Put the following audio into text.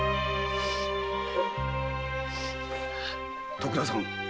徳田さん